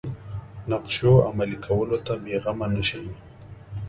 نقشو عملي کولو ته بېغمه نه شي.